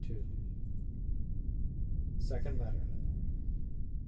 SECOND LETTER.